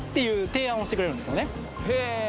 提案をしてくれるんですね